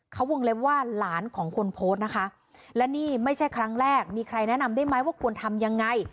เขาวงเล็บว่าหลานของคนโพสต์นะคะและนี่ไม่ใช่ครั้งแรกมีใครแนะนำได้ไหมว่าควรทำยังไง